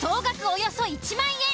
およそ１万円。